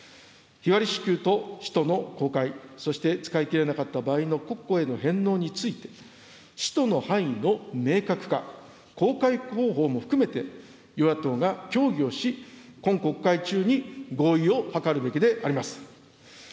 日割り支給と使途の公開、そして使いきれなかった場合の国庫への返納について、使途の範囲の明確化、公開方法も含めて、与野党が協議をし、今国会中に合意を図るべきであります。